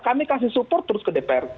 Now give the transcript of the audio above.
kami kasih support terus ke dpr